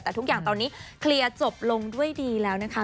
แต่ทุกอย่างตอนนี้เคลียร์จบลงด้วยดีแล้วนะคะ